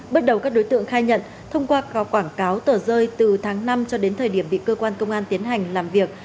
bước đầu các đối tượng khai nhận thông qua cò quảng cáo tờ rơi từ tháng năm cho đến thời điểm bị cơ quan công an tiến hành làm việc